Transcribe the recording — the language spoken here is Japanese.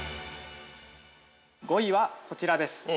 ◆５位は、こちらです。